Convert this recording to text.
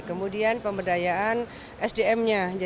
kemudian pembedayaan sdm nya